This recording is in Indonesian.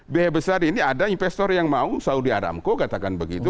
biaya besar ini ada investor yang mau saudi aramco katakan begitu